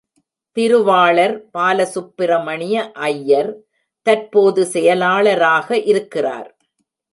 திருவாளர் பாலசுப்பிரமணிய ஐயர் தற்போது செயலாளராக இருக்கிறார்.